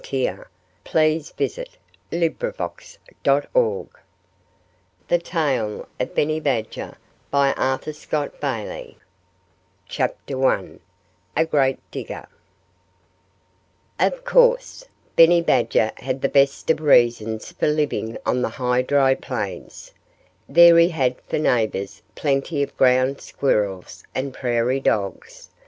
DEER MOUSE IS TIMID 109 THE TALE OF BENNY BADGER THE TALE OF BENNY BADGER I A GREAT DIGGER Of course, Benny Badger had the best of reasons for living on the high, dry plains. There he had for neighbors plenty of ground squirrels and prairie dogs.